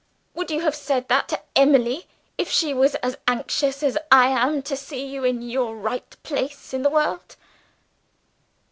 Would you have said that to Emily, if she was as anxious as I am to see you in your right place in the world?"